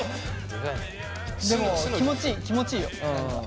でも気持ちいい気持ちいいよ何か。